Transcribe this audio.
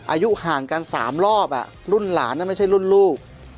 อายุห่างกันสามรอบอ่ะรุ่นหลานน่ะไม่ใช่รุ่นลูก